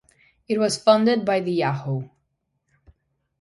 It was funded by the Yahoo!